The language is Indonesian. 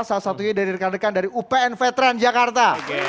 salah satunya dari rekan rekan dari upn veteran jakarta